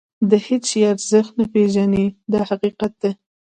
د هېڅ شي ارزښت نه پېژني دا حقیقت دی.